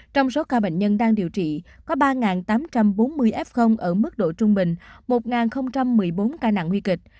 trong số ca bệnh nhân đang điều trị có ba tám trăm bốn mươi f ở mức độ trung bình một một mươi bốn ca nặng nguy kịch